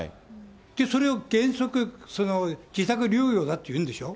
それを原則、自宅療養だっていうんでしょう。